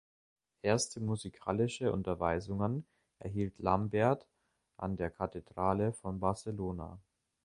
Erste musikalische Unterweisungen erhielt Lambert an der Kathedrale von Barcelona.